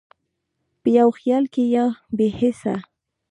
په یو خیال کې یا بې هېڅه،